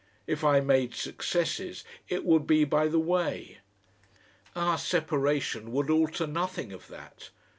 If I made successes it would be by the way. Our separation would alter nothing of that.